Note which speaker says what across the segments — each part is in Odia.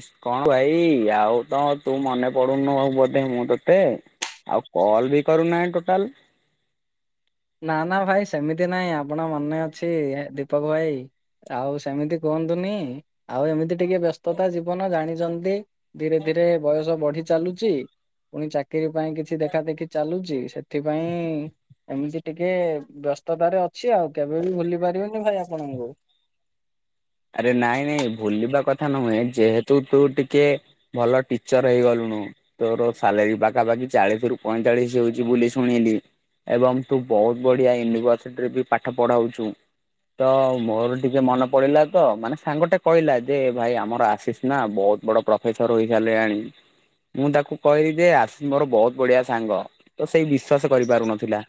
Speaker 1: ଇସ୍ କଣ ଭାଇ ଆଉ ତ ତୁ ମନେ ପଡୁନୁ ଆଉ ବୋଧେ ମୁଁ ତୋତେ ଆଉ କଲ୍ ବି କରୁନାହିଁ ଟୋଟାଲ।
Speaker 2: ନା ନା ଭାଇ ସେମିତି ନାଇଁ। ଆପଣ ମନେ ଅଛି ଦୀପକ ଭାଇ ଆଉ ସେମିତି କୁହନ୍ତୁନି। ଆଉ ଏମିତି ଟିକେ ବ୍ୟସ୍ତତା ଜୀବନ ଜାଣିଚନ୍ତି। ଧୀରେ ଧୀରେ ବୟସ ବଢି ଚାଲୁଚି, ପୁଣି ଚାକିରି ପାଇଁ କିଛି ଦେଖାଦେଖି ଚାଲୁଚି ସେ ଥିପାଇଁ ଏମିତି ଟିକେ ବ୍ୟସ୍ତତାରେ ଅଛି ଆଉ କେବେ ବି ଭୁଲି ପାରିବିନି ଭାଇ ଆ ପଣଙ୍କୁ।
Speaker 1: ଆରେ ନାଇଁ ନାଇଁ ଭୁଲିବା କଥା ନୁହେଁ। ଯେହେତୁ ତୁ ଟିକେ ଭଲ ଟିଚର ହେଇଗଲୁଣୁ ତୋର ସାଲେରୀ ପାଖାପାଖି ଚାଳିଶ ରୁ ପଇଁଚାଳିସି ହୋଉଚି ବୁଲି ଶୁଣିଲି ଏବଂ ତୁ ବୋହୁତ ବଢ଼ିଆ ୟୁନିଭର୍ସିଟିରେ ବି ପାଠ ପଢ଼ାଉଛୁ। ତ ମୋର ଟିକେ ମନେ ପଡିଲା ତ ମାନେ ସାଙ୍ଗଟେ କହିଲା ଯେ ଭାଇ ଆମର ଆଶିଷ ନା ବହୁତ ବଡ ପ୍ରଫେସର ହୋଇସାରିଲାଣି। ମୁଁ ତାକୁ କହିଲି ଯେ ଆଶି ମୋର ବହୁତ ବଢିଆ ସାଙ୍ଗ, ତ ସେଇ ବିଶ୍ଵାସ କରିପାରୁନଥିଲା।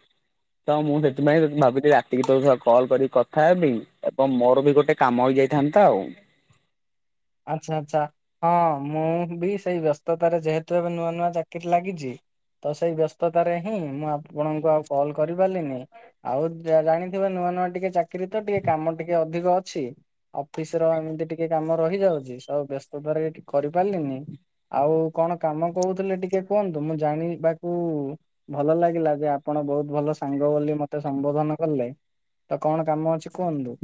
Speaker 1: ତ ମୁଁ ସେଥିପାଇଁ ଭାବିଲି ରାତିକି ତୋ ସ କଲ୍ କରିକି କଥା ହେବି ଏବଂ ମୋର ବି ଗୋଟେ କାମ ହୋଇଯାଇଥାନ୍ତା ଆଉ।
Speaker 2: ଆଚ୍ଛା ଆଚ୍ଛା। ହଁ ମୁଁ ବି ସେଇ ବ୍ୟସ୍ତତାରେ ଯେହେତୁ ଏବେ ନୂଆ ନୂଆ ଚାକିରି ଲାଗିଚି ତ ସେଇ ବ୍ୟସ୍ତତାରେ ହିଁ ମୁଁ ଆପଣଙ୍କୁ ଆଉ କଲ୍ କରିପାରିଲିନି। ଆଉ ଯା ଜାଣିଥିଵେ ନୂଆ ନୂଆ ଟିକେ ଚାକିରି ତ ଟିକେ କାମ ଟିକେ ଅଧିକ ଅଛି। ଅଫିସ ର ଏମିତି ଟିକେ କାମ ରହିଯାଉଚି। ସବୁ ବ୍ୟସ୍ତତାରେ କରିପାରିଲିନି। ଆଉ କଣ କାମ କୋହୁଥିଲେ, ଟିକେ କୁହନ୍ତୁ ମୁଁ ଜାଣି ବାକୁ ଭଲ ଲାଗିଲା, ଯେ ଆପଣ ବହୁତ ଭଲ ସାଙ୍ଗ ବୋଲି ମତେ ସମ୍ବୋଧନ କଲେ। ତ କଣ କାମ ଅଛି କୁହନ୍ତୁ।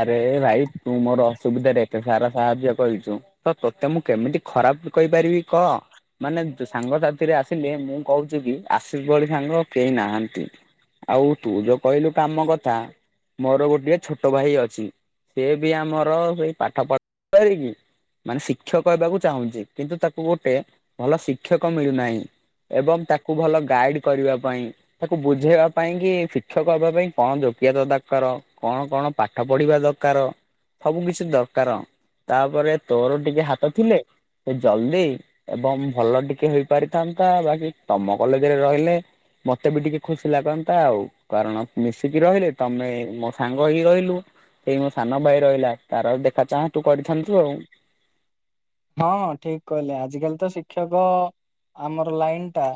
Speaker 1: ଆରେ ଭାଇ ତୁ ମୋର ଅସୁବିଧା ରେ ଏତେ ସାରା ସାହାଯ୍ୟ କରିଚୁ ତ ତୋତେ ମୁଁ କେମିତି ଖରାପ କହିପାରିବି କ। ମାନେ ସାଙ୍ଗସାଥିରେ ଆସିଲେ ମୁଁ କହୁଛି କି ଆଶିଷ ଭଳି ସାଙ୍ଗ କେହି ନାହାନ୍ତି। ଆଉ ତୁ ଯୋଉ କହିଲୁ କାମ କଥା, ମୋର ଗୋଟିଏ ଛୋ ଟ ଭାଇ ଅଛି। ସିଏ ବି ଆମର ସେଇ ପାଠ [unintelligible] ମାନେ ଶିକ୍ଷକ ହେବାକୁ ଚାହୁଁଚି। କିନ୍ତୁ ତାକୁ ଗୋଟେ ଭଲ ଶିକ୍ଷକ ମିଳୁନାହିଁ। ଏବଂ ତାକୁ ଭଲ ଗାଇଡ଼ କରିବା ପାଇଁ ତାକୁ ବୁଝେଇବା ପାଇଁ କି ଶିକ୍ଷକ ହଵା ପାଇଁ କଣ ଯୋଗ୍ୟତା ଦକାର, କଣ କଣ ପାଠ ପଢ଼ିବା ଦକାର, ସବୁ କିଛି ଦକାର। ତାପରେ ତୋର ଟିକେ ହାତ ଥିଲେ ସେ ଜଲଦି ଏବଂ ଭଲ ଟିକେ ହେଇପାରିଥାନ୍ତା ବାକି ତମ କଲେଜରେ ରହିଲେ ମତେ ବି ଟିକେ ଖୁସି ଲାଗନ୍ତା ଆଉ। କାରଣ ମିଶିକି ରହିଲେ ତମେ ମୋ ସାଙ୍ଗ ହେଇକି ରହି ଲୁ, ଏଇ ମୋ ସାନ ଭାଇ ରହିଲା ତାର ଦେଖା ଚାହାଁ ତୁ କରିଥାନ୍ତୁ ଆଉ।
Speaker 2: ହଁ ଠିକ କହିଲେ। ଆଜିିକାଲି ତ ଶିକ୍ଷକ ଆମର ଲାଇନ ଟା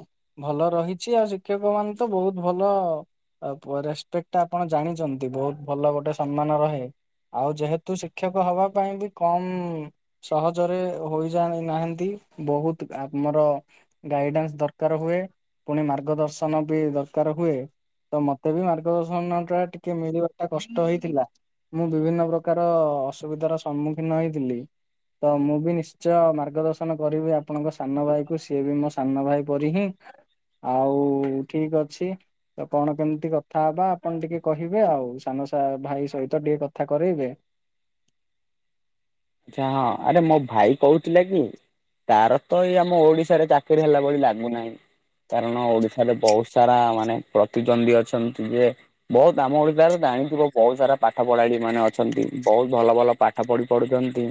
Speaker 2: ଭଲ ରହିଛି, ଆଉ ଶିକ୍ଷକ ମାନେ ତ ବୋହୁତ ଭଲ ଆଉ ପୁଅ ରେସପେକ୍ଟ ଆପଣ ଜାଣିଚନ୍ତି ବୋହୁତ ଭଲ ଗୋଟେ ସମ୍ମାନ ରହେ। ଆଉ ଯେହେତୁ ଶିକ୍ଷକ ହବା ପାଇଁ ବି କମ ସହଜ ରେ ହୋଇଯାଣି ନାହାନ୍ତି ବହୁତ ଆମର ଗାଇଡାନ୍ସ ଦରକାର ହୁଏ ପୁଣି ମାର୍ଗ ଦର୍ଶନ ବି ଦରକାର ହୁଏ। ତ ମତେ ବି ମାର୍ଗଦର୍ଶନ ଟା ଟିକେ ମିଳିବ ଟା କଷ୍ଟ ହେଇଥିଲା। ମୁଁ ବିଭିନ୍ନ ପ୍ରକାର ଅସୁବିଧାର ସମ୍ମୁଖୀନ ହେଇଥିଲି। ତ ମୁଁ ବି ନିଶ୍ଚୟ ମାର୍ଗ ଦର୍ଶନ କରିବି ଆପଣଙ୍କ ସାନ ଭାଇକୁ ସିଏ ବି ମୋ ସାନ ଭାଇ ପରି ହିଁ। ଆଉ ଠିକ ଅଛି। ତ କଣ କେମିତି କଥା ହବା ଆପଣ ଟିକେ କହିବେ ଆଉ ସାନ ସାନଭାଇ ସହିତ ଟିକେ କଥା କରେଇବେ।
Speaker 1: ଆଚ୍ଛା ହଁ ଆରେ ମୋ ଭାଇ କହୁଥିଲା କି ତାର ତ ଏଇ ଆମ ଓଡିଶାରେ ଚାକିରି ହେଲା ଭଳି ଲାଗୁନାହିଁ। କାରଣ ଓଡିଶାରେ ବହୁତ ସାରା ମାନେ ପ୍ରତିଦ୍ୱନ୍ଦୀ ଅଛନ୍ତି ଯେ ବହୁତ ଆମ ଓଡିଶାରେ ଜାଣିଥିବ ବହୁତ ସାରା ପାଠ ପଢାଡି ମାନେ ଅଛନ୍ତି ବହୁତ ଭଲ ଭଲ ପାଠ ପଢି ପଢୁଛନ୍ତି।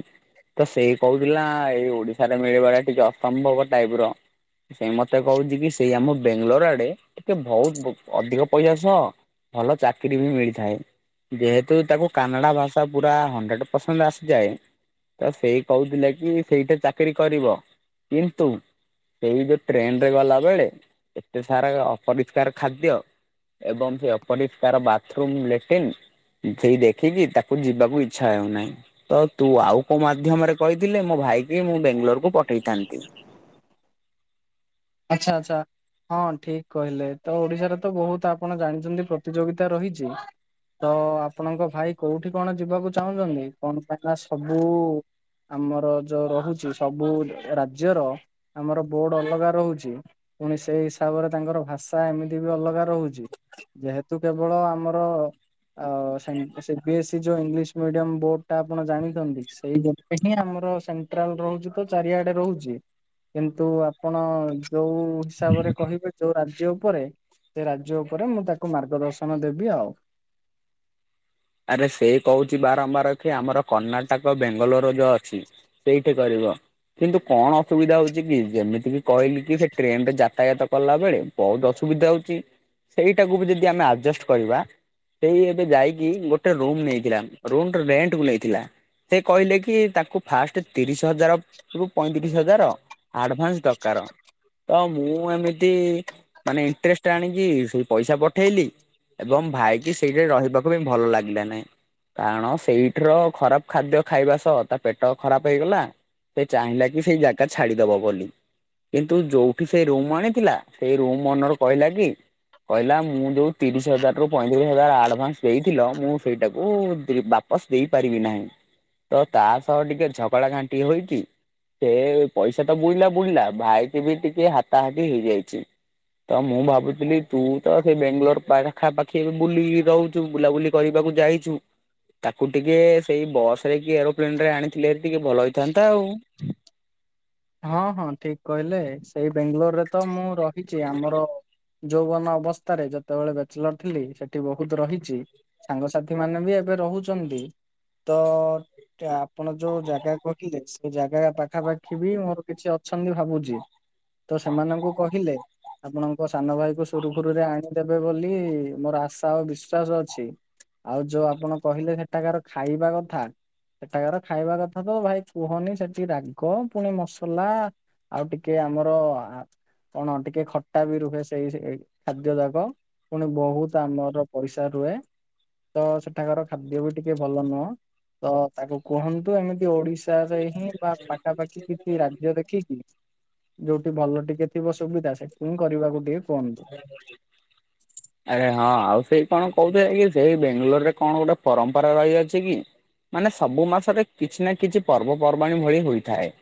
Speaker 1: ତ ସେଇ କହୁଥିଲା ଏଇ ଓଡିଶାରେ ମିଳିବାଟା ଟିକେ ଅସମ୍ଭବ ଟାଇପର। ସେ ମତେ କହୁଛି କି ସେଇ ଆମ ବେଙ୍ଗଲୋର ଆଡେ ଟିକେ ବହୁତ ଅଧିକ ପଇସା ସହ ଭଲ ଚାକିରୀ ବି ମିଳିଥାଏ। ଯେହେତୁ ତାକୁ କାନାଡ଼ା ଭାଷା ପୁରା ହଣ୍ଡ୍ରେଡ଼୍ ପରସେଣ୍ଟ ଆସିଯାଏ। ତ ସେଇ କହୁଥିଲେ କି ସେଇଠି ଚାକିରି କରିବ। କିନ୍ତୁ ସେଇ ଯୋଉ ଟ୍ରେନରେ ଗଲାବେଳେ ଏତେ ସାରା ଅପରିଷ୍କାର ଖାଦ୍ୟ। ଏବଂ ସେ ଅପରିଷ୍କାର ବାଥରୁମ୍ ଲେଟିନ। ସେଇ ଦେଖିକି ତାକୁ ଯିବାକୁ ଇଚ୍ଛା ହେଉନାହିଁ ତ ତୁ ଆଉ କୋଉ ମାଧ୍ୟମରେ କହିଥିଲେ ମୋ ଭାଇକି ମୁଁ ବେଙ୍ଗାଲୋରକୁୁ ପଠେଇଥାନ୍ତି।
Speaker 2: ଆଚ୍ଛା ଆଚ୍ଛା ହଁ ଠିକ କହିଲେ ତ ଓଡିଶାରେ ତ ବହୁତ ଆପଣ ଜାଣିଛନ୍ତି ପ୍ରତିଯୋଗିତା ରହିଛି। ତ ଆପଣଙ୍କ ଭାଇ କୋଉଠି କଣ ଯିବାକୁ ଚାହୁଁଛନ୍ତି କଣ ପାଇ ନା ସବୁ ଆମର ଯୋଉ ରହୁଛି ସବୁ ରାଜ୍ୟ ର ଆମର ବୋର୍ଡ ଅଲଗା ରହୁଛି ପୁଣି ସେଇ ହିସାବରେ ତାଙ୍କର ଭାଷା ଏମିତି ବି ଅଲଗା ରହୁଛି। ଯେହେତୁ କେବଳ ଆମର ଆଉ ସେ ସି ବି ଏସି ଯୋଉ ଇଂଲିଶ ମିଡିୟମ ବୋର୍ଡ ଟା ଆପଣ ଜାଣିଛନ୍ତି ସେଇ ସେଇଟି ହଁ ଆମର ସେଣ୍ଟ୍ରାଲ ରହୁଛି ତ ଚାରିଆଡେ ରହୁଛି କିନ୍ତୁ ଆପଣ ଯୋଉ ହିସାବରେ କହିବେ ଯୋଉ ରାଜ୍ୟ ଉପରେ ସେ ରାଜ୍ୟ ଉପରେ ମୁଁ ତାକୁ ମାର୍ଗ ଦର୍ଶନ ଦେବି ଆଉ।
Speaker 1: ଆରେ ସେଇ କହୁଛି ବାରମ୍ବାର କି ଆମର କର୍ଣ୍ଣାଟକ ବେଙ୍ଗୋଲୋର ଯୋଉ ଅଛି ସେଇଠି କରିବ କିନ୍ତୁ କଣ ଅସୁବିଧା ହଉଛି କି ଯେମିତି କି କହିଲି କି ସେ ଟ୍ରେନରେ ଯାତାୟତ କଲା ବେଳେ ବହୁତ ଅସୁବିଧା ହଉଛି ସେଇଟାକୁ ବି ଯଦି ଆମେ ଆଡଜଷ୍ଟ କରିବା ସେଇ ଏବେ ଯାଇକି ଗୋଟେ ରୁମ ନେଇଥିଲା ରୁମ ରେଣ୍ଟକୁ ନେଇଥିଲା। ସେ କହିଲେ କି ତାଙ୍କୁ ଫାଷ୍ଟ ତିରିଶ ହଜାର ରୁ ପଇଁତିରିଶ ହଜାର ଆଡ଼ଭାନ୍ସ ଦରକାର। ତ ମୁଁ ଏମିତି ମାନେ ଇଣ୍ଟରେଷ୍ଟ ଆଣିକି ସେଇ ପଇସା ପଠେଇଲି। ଏବଂ ଭାଇ କିି ସେଇଠାରେ ରହିବାକୁ ବି ଭଲ ଲାଗେ ଦେଲେ ନାଇଁ କାରଣ ସେଇଠିର ଖରାପ ଖାଦ୍ୟ ଖାଇବା ସହ ତା ପେଟ ଖରାପ ହେଇଗଲା। ସେ ଚାହିଁଲା କି ସେଇ ଜାଗା ଛାଡିଦବ ବୋଲି। କିନ୍ତୁ ଯୋଉଠି ସେ ରୁମ୍ ଆଣିଥିଲା ସେଇ ରୁମ୍ ଓନର୍ କହିଲା କି କହିଲା ମୁଁ ଯୋଉ ତିରିଶ ହଜାର ରୁ ପଇଁତିରିଶ ହଜାର ଆଡଭାନ୍ସ ଦେଇଥିଲ ମୁଁ ସେଇଟାକୁ ବାପସ ଦେଇପାରିବି ନାହିଁ। ତ ତା ସହ ଟିକେ ଝଗଡ଼ା ଘାଣ୍ଟି ହୋଇଚି। ସେ ପଇସା ତ ବୁଇଲା ବୁଡିଲା ଭାଇକି ବି ଟିକେ ହାତାହାତି ହେଇଯାଇଛି। ତ ମୁଁ ଭାବୁଥିଲି ତୁ ତ ସେଇ ବାେଙ୍ଗାଲୋର ପାଖାପାଖି ଏ ବୁଲି ରହୁଛୁ ବୁଲାବୁଲି କରିବାକୁ ଯାଇଛୁ ତାକୁ ଟିକେ ସେଇ ବସ ରେ କି ଏରୋ ପ୍ଲେନ୍ରରେ ଆଣିଥିଲେ ହେରୀ ଟିକେ ଭଲ ହେଇଥାନ୍ତା ଆଉ।
Speaker 2: ହଁ ହଁ ଠିକ କହିଲେ ସେଇ ବେଙ୍ଗାଲୋର ରେ ତ ମୁଁ ରହିଛି ଆମର ଯୌବନ ଅବସ୍ଥାରେ ଯେତେବେଳେ ବ୍ୟାଚଲର ଥିଲି ସେଠି ବହୁତ ରହିଛି। ସାଙ୍ଗସାଥି ମାନେ ବି ଏବେ ରହୁଛନ୍ତି ତ ଆପଣ ଯୋଉ ଜାଗା କହିଲେ ସେ ଜାଗା ପାଖାପାଖି ବି ମୋର କିଛି ଅଛନ୍ତି ଭାବୁଛି। ତ ସେମାନଙ୍କୁ କହିଲେ ଆପଣଙ୍କ ସାନ ଭାଇ କୁ ସୁରୁଖୁରୁରେ ଆଣିଦେବେ ବୋଲି ମୋର ଆଶା ଓ ବିଶ୍ଵାସ ଅଛି। ଆଉ ଯୋଉ ଆପଣ କହିଲେ ସେଠାକାର ଖାଇବା କଥା। ସେଠାକାର ଖାଇବା କଥା ତ ଭାଇ କୁହନି ସେଠି ରାଗ ପୁଣି ମସ ଲା ଆଉ ଟିକେ ଆମର କଣ ଟିକେ ଖଟା ବି ରୁହେ ସେଇ ସେ ଖାଦ୍ୟ ଯାକ। ପୁଣି ବହୁତ ଆମର ପଇସା ରୁହେ। ତ ସେଠାକାର ଖାଦ୍ୟ ବି ଟିକେ ଭଲ ନୁହଁ ତ ତାକୁ କୁହନ୍ତୁ ଏମିତି ଓଡିଶି ଓଡ଼ିଶାରେ ହିଁ ବା ପାଖାପାଖି କିଛି ରାଜ୍ୟ ଦେଖିକି ଯୋଉଠି ଭଲ ଟିକେ ଥିବ ସୁବିଧା ସେଠ ହିଁ କରିବାକୁ ଟିକେ କୁହନ୍ତୁ।
Speaker 1: ଆରେ ହଁ ଆଉ ସେଇ କଣ କହୁଥିଲେ କି ସେଇ ବେଙ୍ଗାଲୋର ରେ କଣ ଗୋଟେ ପରମ୍ପରା ରହିଅଛି କି? ମାନେ ସବୁ ମାସରେ କିଛି ନା କିଛି ପର୍ବପର୍ବାଣିୀ ଭଳି ହୋଇଥାଏ।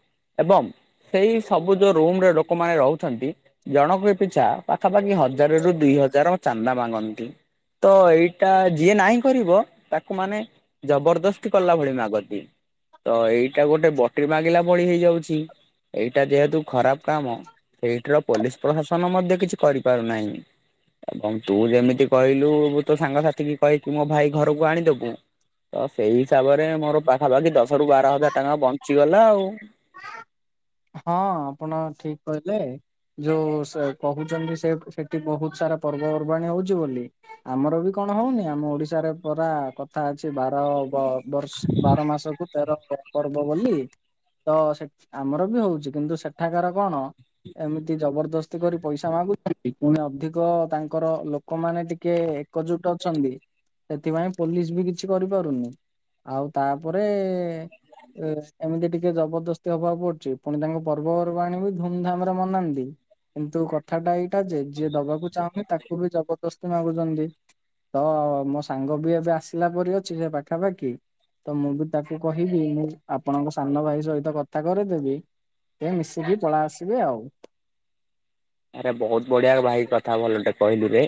Speaker 1: ଏବଂ ସେଇ ସବୁ ଯେଉ ରୁମରେ ଲୋକମାନେ ରହୁଛନ୍ତି ଜଣକ ପିଛା ପାଖାପାଖି ହଜାରରୁୁ ଦୁଇ ହଜାର ଚାନ୍ଦା ମାଗନ୍ତି। ତ ଏଇଟା ଯିଏ ନାହିଁ କରିବ ତାକୁ ମାନେ ଜବରଦସ୍ତି କଲା ଭଳି ମାଗନ୍ତି। ତ ଏଇଟା ଗୋଟେ ବଟି ମାଗିଲା ଭଳି ହେଇଯାଉଛି। ଏଇଟା ଯେହେତୁ ଖରାପ କାମ ସେଇଠିର ପୋଲିସ ପ୍ରଶାସନ ମଧ୍ୟ କିଛି କରିପାରୁନାହିଁ। ଏବଂ ତୁ ଯେମିତି କହିଲୁ ତୋ ସାଙ୍ଗସାଥି କି କହିକି ମୋ ଭାଇ ଘରକୁ ଆଣିଦବୁ। ତ ସେଇ ହିସାବରେ ମୋର ପାଖାପାଖି ଦଶ ରୁ ବାର ହଜାର ଟଙ୍କା ବଞ୍ଚିଗଲା ଆଉ।
Speaker 2: ହଁ ଆପଣ ଠିକ କହିଲେ। ଯୋଉ କହୁଛନ୍ତି ସେ ସେଠି ବହୁତ ସାରା ପର୍ବପର୍ବାଣିୀ ହଉଛି ବୋଲି ଆମର ବି କଣ ହଉନି ଆମ ଓଡିଶାରେ ପରା କଥା ଅଛି ବାର ବ ବର୍ଷ ବାର ମାସକୁ ତେର ପ ପର୍ଵ ବୋଲି ତ ସେ ଆମର ବି ହଉଛି କିନ୍ତୁ ସେଠାକାର କଣ? ଏମିତି ଜବରଦସ୍ତି କରି ପଇସା ମାଗୁଛି ପୁଣି ଅଧିକ ତାଙ୍କର ଲୋକମାନେ ଟିକେ ଏକଜୁଟ ଅଛନ୍ତି। ସେଥିପାଇଁ ପୋଲିସ ବି କିଛି କରିପାରୁନି ଆଉ ତାପରେ ଏମିତି ଟିକେ ଜବଦସ୍ତି ହବାକୁ ପଡୁଚି। ପୁଣି ତାଙ୍କ ପର୍ବପର୍ବାଣି କୁ ଧୁମଧାମ ରେ ମନାନ୍ତି କିନ୍ତୁ କଥାଟା ଏଇ ଏଟା ଯେ ଯିଏ ଦବାକୁ ଚାହୁଁନି ତାକୁ ବି ଜବରଦସ୍ତି ମାଗୁଛନ୍ତି। ତ ମୋ ସାଙ୍ଗ ବି ଏବେ ଆସିଲା ପରି ଅଛି ସେ ପାଖାପାଖି ତ ମୁଁ ବି ତାକୁ କହିବି ମୁଁ ଆପଣଙ୍କ ସାନ ଭାଇ ସହିତ କଥା କରିଦେବି। ଏ ମିସିକି ପଳା ଆସିବେ ଆଉ।
Speaker 1: ଆରେ ବହୁତ ବଢିଆ ଭାଇ କଥା ଭଲଟେ କହିଲୁ ରେ।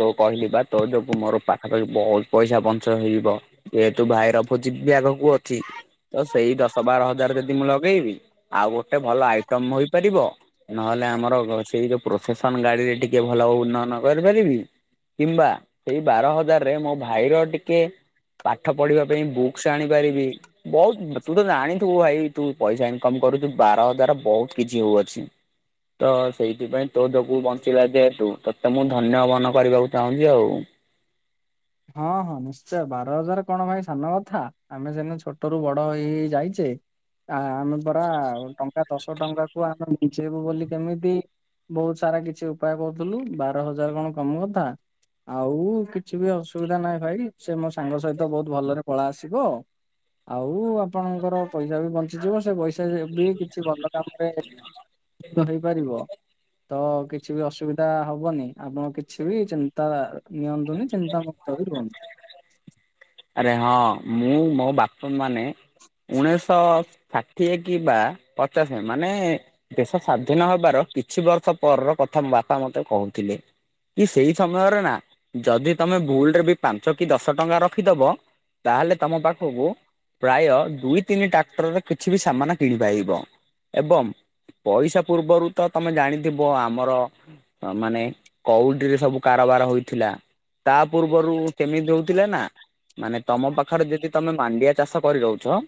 Speaker 1: ତୋ କହିଲି ବା ତୋ ଯୋଗୁ ମୋର ପାଖା ପାାଖି ବହୁତ ପଇସା ବଞ୍ଚ ହେଇଯିବ ଏ ତୁ ଭାଇର ଭୋଜି ବି ଆଗକୁ ଅଛି ତ ସେଇ ଦଶ ବାର ହଜାର ଯଦି ମୁଁ ଲଗେଇବି ଆଉ ଗୋଟେ ଭଲ ଆଇଟମ୍ ହୋଇପାରିବ ନହେଲେ ଆମର ସେଇ ଯୋଉ ପ୍ରସେସନ ଗାଡିରେ ଟିକେ ଭଲ ଉନ୍ନୟନ କରିପାରିବି କିମ୍ବା ଏହି ବାର ହଜାରରେ ମୋ ଭାଇର ଟିକେ ପାଠ ପଢିବା ପାଇଁ ବୁକ୍ସ ଆଣିପାରିବି ବହୁତ ତୁ ତ ଜାଣିଥିବୁ ଭାଇ ତୁ ପଇସା ଇନକମ୍ କରୁଛୁ ବାର ହଜାର ବହୁତ କିଛି ହଉଅଛି ତ ସେଇଥିପାଇଁ ତୋ ଯକୁ ବଞ୍ଚିଲା ଯେହେତୁ ତତେ ମୁଁ ଧନ୍ୟ ମନ କରିବାକୁ ଚାହୁଁଛି ଆଉ
Speaker 2: ହଁ ହଁ ନିଶ୍ଚୟ ବାର ହଜାର କଣ ଭାଇ ସାନ କଥା ଆମେ ଜେନେ ଛୋଟ ରୁ ବଡ ହେଇ ଯାଇଛେ ଆ ଆମେ ପରା ଆ ଟଙ୍କା ଦଶ ଟଙ୍କା କୁ ଆମେ ମିଞ୍ଚେଇବୁ ବୋଲି କେମିତି ବହୁତ ସାରା କିଛି ଉପାୟ କରୁଥିଲୁ ବାର ହଜାର କଣ କମ କଥା। ଆଉ କିଛି ବି ଅସୁବିଧା ନାହିଁ ଭାଇ ସେ ମୋ ସାଙ୍ଗ ସହିତ ବହୁତ ଭଲରେ ପଳା ଆସିବ ଆଉ ଆପଣଙ୍କର ପଇସା ବି ବଞ୍ଚିଯିବ ସେ ପଇସା ଥେ ହେବି କିଛି ଭଲ କାମରେ ହେଇପାରିବ ତ କିଛି ବି ଅସୁବିଧା ହବନି ଆପଣ କିଛି ବି ଚିନ୍ତା ନିଅନ୍ତୁନି ଚିନ୍ତାମୁକ୍ତ ବି ରୁହନ୍ତୁ
Speaker 1: ଆରେ ହଁ ମୁଁ ମୋ ବାଥନ୍ ମାନେ ଉଣେଇଶଶହ ଷାଠିଏ କି ବା ପଚାଶ ଏମାନେ ଦେଶ ସ୍ଵାଧୀନ ହେବାର କିଛି ବର୍ଷ ପରର କଥା ବାପା ମତେ କହୁଥିଲେ। କି ସେଇ ସମୟରେ ନା ଯଦି ତମେ ଭୁଲ ରେ ବି ପାଞ୍ଚ କି ଦଶ ଟଙ୍କା ରଖ ରଖିଦବ ତାହେଲେ ତମ ପାଖକୁ ପ୍ରାୟ ଦୁଇ ତିନି ଟ୍ରାକ୍ଟରରେ କିଛି ବି ସାମାନ କିଣିପାରିବ ଏବଂ ପଇସା ପୂର୍ବରୁ ତ ତମେ ଜାଣିଥିବ ଆମର ମାନେ କଉଡିରେ ସବୁ କାରବାର ହୋଇଥିଲା। ତା ପୂର୍ବରୁ କେମିତି ଦୋଉଥିଲେ ନା ମାନେ ତମ ପାଖରେ ଯଦି ତମେ ମାଣ୍ଡିଆ ଚାଷ କରି ରହୁଛ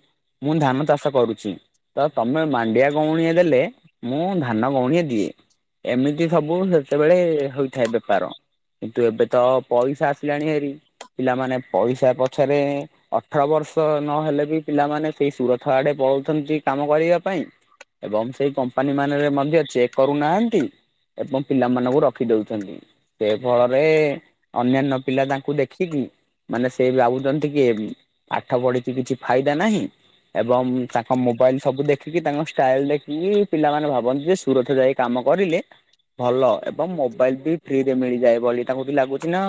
Speaker 1: ମୁଁ ଧାନ ଚାଷ କରୁଛି। ତ ତମେ ମାଣ୍ଡିଆ ଗଉଣିଆ ଦେଲେ ମୁଁ ଧାନ ଗଉଣିଆ ଦିଏ ଏମିତି ସବୁ ସେତେବେଳେ ହୋଇଥାଏ ବେପାର କିନ୍ତୁ ଏବେ ତ ପଇସା ଆସିଲାଣି ହେରି ପିଲାମାନେ ପଇସା ପଛରେ ଅଠର ବର୍ଷ ନହେଲେ ବି ପିଲାମାନେ ସେଇ ସୁରଥ ଆଡେ ପଳଉଛନ୍ତି କାମ କରିବା ପାଇଁ ଏବଂ ସେଇ କମ୍ପାନୀ ମାନରେ ମଧ୍ୟ ଚେକ୍ କରୁନାହାନ୍ତି। ଏବଂ ପିଲାମାନଙ୍କୁ ରଖିଦଉଛନ୍ତି। ସେ ଫଳରେ ଅନ୍ୟାନ୍ୟ ପିଲା ତାଙ୍କୁ ଦେଖିକି ମାନେ ସେ ଭାବୁଛନ୍ତି କି ପାଠ ପଢିକି କିଛି ଫାଇଦା ନାହିଁ ଏବଂ ତାଙ୍କ ମୋବାଇଲ ସବୁ ଦେଖିକି ତାଙ୍କ ଷ୍ଟାଇଲ ଦେଖିକି ପିଲାମାନେ ଭାବନ୍ତି ଯେ ସୁରଥ ଯାଇକି କାମ କରିଲେ ଭଲ ଏବଂ ମୋବାଇଲ ବି ଫ୍ରିରେ ମିଳିଯାଏ ବୋଲି ତାଙ୍କୁବି ଲାଗୁଛି ନା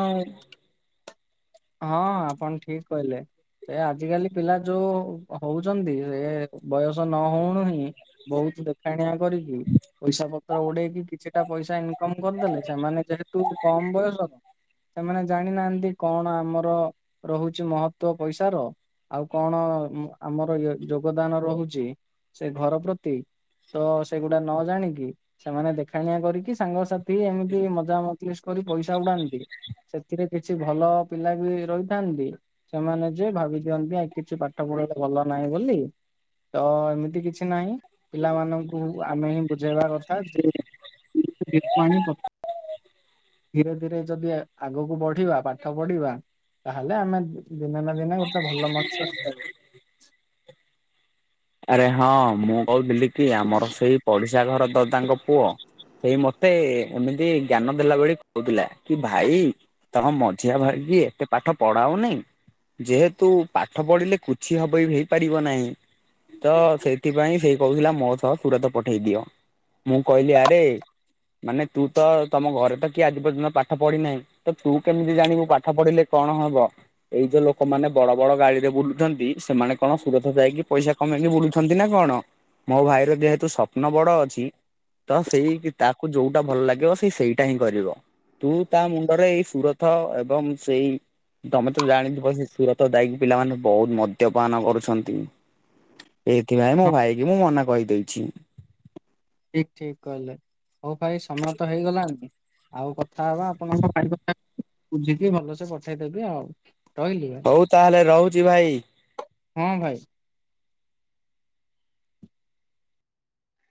Speaker 2: ହଁ ଆପଣ ଠିକ। କହିଲେ ଏ ଆଜିକାଲି ପିଲା ଯୋଉ ହଉଛନ୍ତି ଏ ବୟସ ସଞ୍ଜ ନ ହଉଣୁ ହିଁ ବହୁତ ଦେଖାଣିଆ କରିକି ପଇସା ଉଡେଇକି କିଛିଟା ପଇସା ଇନକମ କରିଦେଲେ ସେମାନେ ଯେହେତୁ କମ ବୟସ ତ ସେମାନେ ଜାଣିନାହାନ୍ତି କଣ ଆମର ରହୁଛି ମହତ୍ୱ ପଇସାର ଆଉ କଣ ଆମର ଯୋ ଯୋଗଦାନ ରହୁଛି ସେ ଘର ପ୍ରତି ତ ସେଗୁଡା ନ ଜାଣିକି ସେମାନେ ଦେଖାଣିଆ କରିକି ସାଙ୍ଗସାଥ ଥି ଏମିତି ମଜାମତିଲିସ୍ କରି ପଇସା ଉଡାନ୍ତି ସେଥିରେ କିଛି ଭଲ ପିଲା ବି ରହିଥାନ୍ତି। ସେମାନେ ଯେ ଭାବି ଦିଅନ୍ତି ଆ କିଛି ପାଠ ପଢ଼ା ରେ ଭଲ ନାହିଁ ବୋଲି। ତ ଏମିତି କିଛି ନାହିଁ ପିଲାମାନଙ୍କୁ ଆମେ ହିଁ ବୁଝେଇବା କଥା ଯେ ଧୀର ପାଣି ପ ଧୀରେ ଧୀରେ ଯଦି ଆଗକୁ ବଢିବା ପାଠ ପାଠ ପଢିବା ତାହେଲେ ଆମେ ଦିନେ ନା ଦିନେ ଗୋଟେ ଭଲ ମଣିଷ ହେଇପାରିବା।
Speaker 1: ଆରେ ହଁ ମୁଁ କହୁଥିଲି କି ଆମର ସେଇ ପଡିଶା ଘର ଦଦାଙ୍କ ପୁଅ ସେଇ ମତେ ଏମିତି ଜ୍ଞାନ ଦେଲା ଭଳି କହୁଥିଲା କି ଭାଇ ତମ ମଝିଆ ଭାଇ କି ଏତେ ପାଠ ପଢାଉନି। ଯେହେତୁ ପାଠ ପଢ଼ିଲେ କୁଛି ହେବ ହେଇପାରିବ ନାହିଁ। ତ ସେଥିପାଇଁ ସେଇ କହୁଥିଲା ମୋ ସହ ସୁରାତ ପଠେଇ ଦିଅ, ମୁଁ କହିଲି ଆରେ ମାନେ ତୁ ତ ତମ ଘରେ ତ କିଏ ଆଜି ପର୍ଯ୍ୟନ୍ତ ପାଠ ପଢ଼ିନାହିଁ। ତ ତୁ କେମିତି ଜାଣିବୁ ପାଠ ପଢିଲେ କଣ ହବ? ଏଇ ଯୋଉ ଲୋକମାନେ ବଡ ବଡ ଗାଡି ରେ ବୁଲୁଛନ୍ତି ସେମାନେ କଣ ସୁରତ ଯାଇକି ପଇସା କମେଇକି ବୁଲୁଛନ୍ତି ନା କଣ ମୋ ଭାଇର ଯେହେତୁ ସ୍ୱପ୍ନ ବଡ ଅଛି। ତ ସେଇ ତାକୁ ଯୋଉଟା ଭଲ ଲାଗିବ ସେ ସେଇଟା ହିଁ କରିବ। ତୁ ତା ମୁଣ୍ଡରେ ଏଇ ସୁରଥ ଏବଂ ସେଇ ତମେ ତ ଜାଣିଥିବ ସେ ସୁରତ ଯାଇକି ପିଲାମାନେ ବହୁତ ମଦ୍ୟପାନ କରୁଛନ୍ତି। ଏଇଥିପାଇଁ ମୋ ଭାଇ କି ମୁଁ ମନା କହିଦେଇଛି।
Speaker 2: ଠିକ୍ ଠିକ୍ କହିଲେ ହଉ ଭାଇ ସମୟ ତ ହେଇଗଲାଣି। ଆଉ କଥା ହବା ଆପଣଙ୍କ ଭାଇ [unintelligible] ବୁଝିକି ଭଲସେ ପଠେଇଦେବି ଆଉ। ରହିଲି ଭାଇ
Speaker 1: ହଉ ତାହେଲେ ରହୁଛି ଭାଇ?
Speaker 2: ହଁ ଭାଇ।